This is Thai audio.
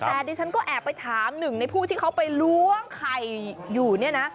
แต่ดิฉันก็แอบไปถามหนึ่งในผู้ที่เขาไปล้วงไข่อยู่เนี่ยนะ